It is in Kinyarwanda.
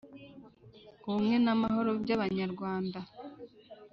Ubumwe n'amahoro by'Abanyarwanda.